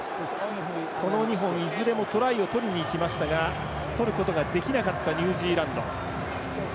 この２本、いずれもトライを取りにいきましたが取ることができなかったニュージーランド。